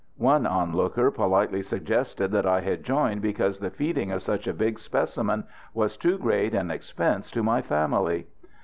One onlooker politely suggested that I had joined because the feeding of such a big specimen was too great an expense to my family.